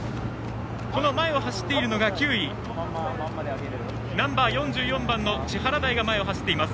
この前を走っているのが９位ナンバー４４番の千原台が前を走っています。